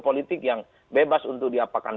politik yang bebas untuk diapakan